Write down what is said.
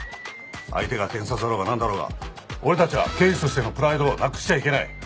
相手が検察だろうがなんだろうが俺たちは刑事としてのプライドをなくしちゃいけない。